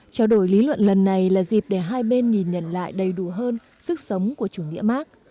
trao đổi lý luận lần này là dịp để hai bên nhìn nhận lại đầy đủ hơn sức sống của chủ nghĩa mark